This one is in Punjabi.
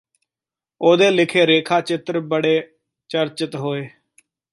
ਉਹਦੇ ਲਿਖੇ ਰੇਖਾ ਚਿੱਤਰ ਬੜੇ ਚਰਚਿਤ ਹੋਏ